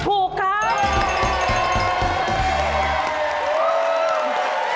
ถูกครับ